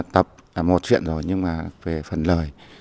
tập là một chuyện rồi nhưng mà về phần lời